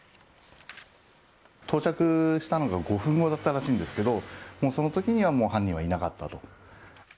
到着したのが５分後だったらしいんですけど、もうそのときには、もう犯人はいなかったと。